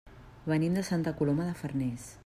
Venim de Santa Coloma de Farners.